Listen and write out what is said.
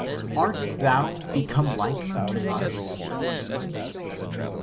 Art thou become like unto us